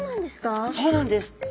そうなんですか？